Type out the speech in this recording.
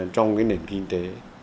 trong cái nền kinh tế